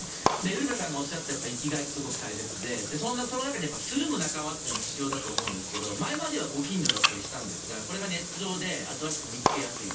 ウルヴェさんがおっしゃった生きがいってすごく大切でその中でつるむ仲間っていうのが必要だと思うんですけど前まではご近所だったりしたんですがこれがネット上で新しく見つけやすい。